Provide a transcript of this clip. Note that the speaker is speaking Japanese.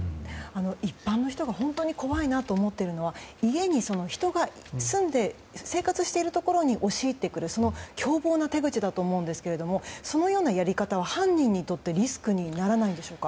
一般の人が本当に怖いなと思っているのは家に人が住んで生活しているところに押し入ってくる凶暴な手口だと思うんですがそのようなやり方は犯人にとってリスクにならないんでしょうか？